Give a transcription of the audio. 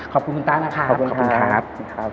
ขอบคุณคุณต้านนะครับ